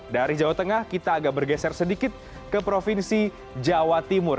dari jawa tengah kita agak bergeser sedikit ke provinsi jawa timur